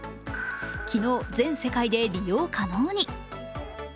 昨日、全世界で利用可能に。